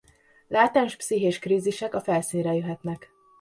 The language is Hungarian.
Látens pszichés krízisek a felszínre jöhetnek.